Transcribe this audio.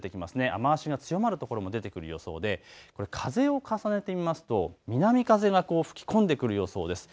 雨足が強まる所も出てくる予想で風を重ねてみますと、南風が吹き込んでくる予想です。